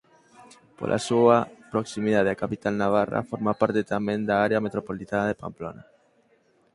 Pola súa proximidade á capital navarra forma parte tamén da área metropolitana de Pamplona.